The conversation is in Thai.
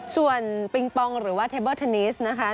ส่วนปิงปองหรือว่าเทเบิลเทนนิสนะคะ